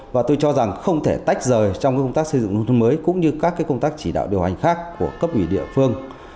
và tôi cho rằng không thể tách rời trong công tác xây dựng nông thôn mới cũng như các công tác chỉ đạo điều hành khác của cấp ủy địa phương